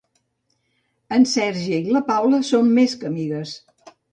En Sergi i la Paula són més que amigues.